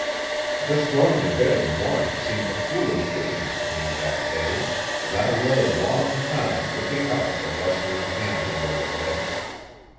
This going to bed in the morning seemed a foolish business to me that day and I lay a long time looking up at the rustling canopy overhead.